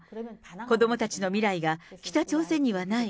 子どもたちの未来が北朝鮮にはない。